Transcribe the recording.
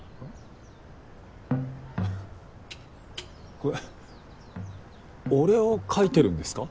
これ俺を描いてるんですか？